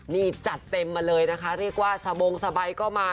นี่จัดเต็มมาเลยนะคะเรียกว่าสโมงสะใบ๊ก็ออกมา